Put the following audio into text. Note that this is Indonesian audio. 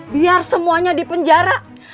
biar semuanya di penjara